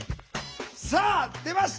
さあ出ました！